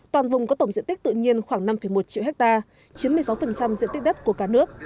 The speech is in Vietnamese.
toàn vùng có tổng diện tích tự nhiên khoảng năm một triệu ha chiếm một mươi sáu diện tích đất của cả nước